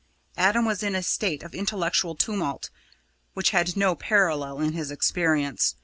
Adam was in a state of intellectual tumult, which had no parallel in his experience.